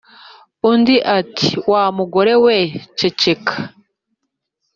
Undi ati « wa mugore we ceceka.